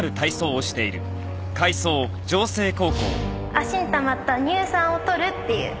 足にたまった乳酸をとるっていう。